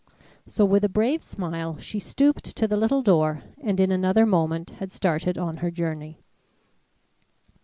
So with a brave smile she stooped to the little door, and in another moment had started on her journey.